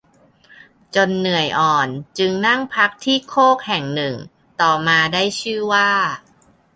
จนเหนื่อยอ่อนจึงนั่งพักที่โคกแห่งหนึ่งต่อมาได้ชื่อว่า